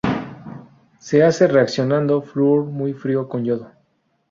Se hace reaccionando flúor muy frío con yodo.